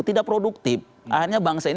tidak produktif akhirnya bangsa ini